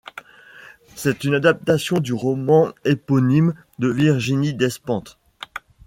C'est une adaptation du roman éponyme de Virginie Despentes.